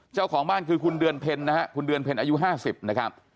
เจ้าของบ้านคือคุณเดือนเพ็ญนะฮะคุณเดือนเพ็ญอายุ๕๐นะครับ